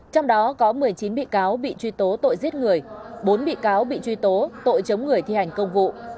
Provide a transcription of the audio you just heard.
trong đó có một mươi chín bị cáo bị truy tố tội giết người bốn bị cáo bị truy tố tội chống người thi hành công vụ